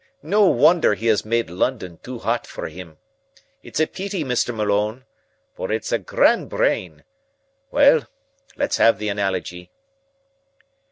No wonder he has made London too hot for him. It's a peety, Mr. Malone, for it's a grand brain! We'll let's have the analogy."